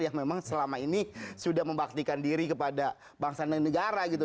yang memang selama ini sudah membaktikan diri kepada bangsa dan negara gitu